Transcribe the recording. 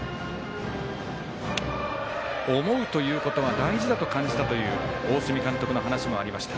思うということは大事だと感じたという大角監督の話もありました。